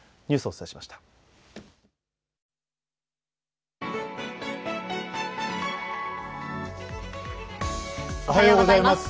おはようございます。